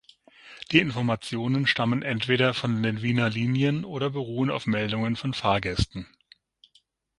Die Informationen stammen entweder von den Wiener Linien oder beruhen auf Meldungen von Fahrgästen.